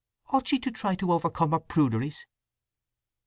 Ought she to try to overcome her pruderies?"